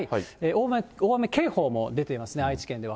大雨警報も出ていますね、愛知県では。